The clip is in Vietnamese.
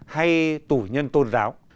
hay tù nhân tôn giáo